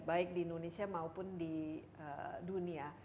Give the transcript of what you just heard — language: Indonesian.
baik di indonesia maupun di dunia